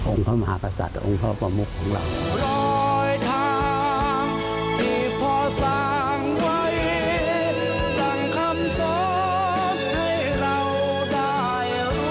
อุงพระมหากษัตริย์อุงพระประมพของเรา